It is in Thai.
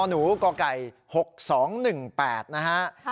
๑นก๖๒๑๘นะฮะ